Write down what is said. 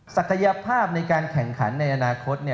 ศักยภาพในการแข่งขันในอนาคต